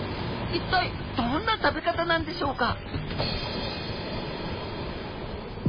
一体どんな食べ方なんでしょうか？